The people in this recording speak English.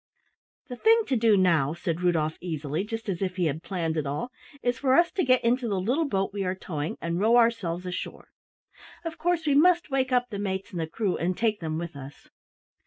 "The thing to do now" said Rudolf easily, just as if he had planned it all, "is for us to get into the little boat we are towing and row ourselves ashore. Of course we must wake up the mates and the crew and take them with us."